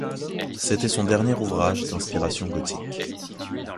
C'était son dernier ouvrage d'inspiration gothique.